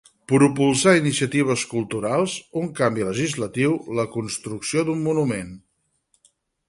Propulsar iniciatives culturals, un canvi legislatiu, la construcció d'un monument.